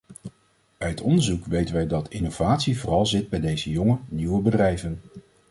Uit onderzoek weten wij dat innovatie vooral zit bij deze jonge, nieuwe bedrijven.